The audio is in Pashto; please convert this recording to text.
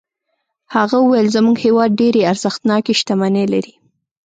هغه وویل زموږ هېواد ډېرې ارزښتناکې شتمنۍ لري.